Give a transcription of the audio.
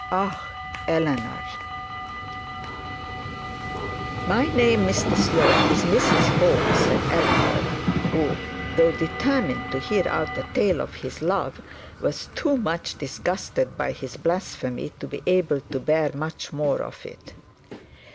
'Ah! Eleanor ' 'My name, Mr Slope, is Mrs Bold,' said Eleanor, who, though determined to hear out the tale of his love, was too much disgusted by his blasphemy to be able to bear much more of it.